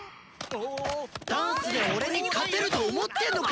ダンスで俺に勝てると思ってるのか？